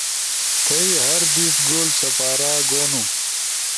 تھئی ہر دیس گول سپارا گونو